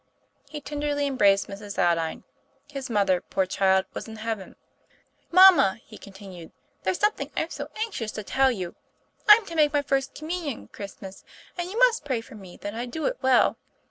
He tenderly embraced Mrs. Aldine his mother, poor child, was in heaven. 'Mamma," he continued, "there's something I'm so anxious to tell you. I'm to make my First Communion Christmas, and you must pray for me that I do it well.